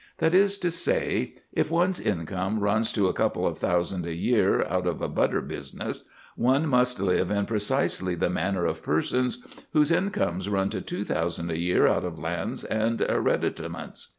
That is to say, if one's income runs to a couple of thousand a year out of a butter business, one must live in precisely the manner of persons whose incomes run to two thousand a year out of lands and hereditaments.